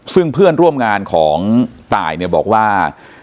ซึ่งเพื่อนร่วมงานของตายเนี่ยบอกว่า